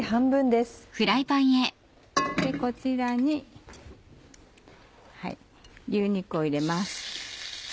こちらに牛肉を入れます。